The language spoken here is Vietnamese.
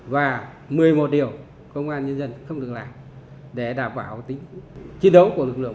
và một mươi một điều công an nhân dân không được làm để đảm bảo tính chiến đấu của lực lượng